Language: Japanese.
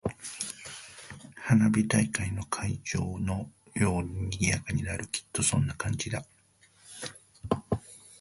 花火大会の会場のように賑やかになる。きっとそんな感じだ。